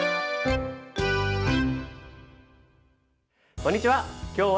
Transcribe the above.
こんにちは。